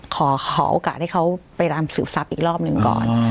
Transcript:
ขอโอกาสให้เขาไปรำสืบทรัพย์อีกรอบหนึ่งก่อน